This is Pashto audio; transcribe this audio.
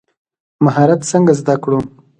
مهارت څنګه زده کړو؟